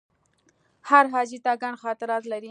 هر حاجي ته ګڼ خاطرات لري.